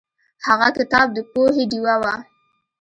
هغه کتاب د پوهې ډیوه وه.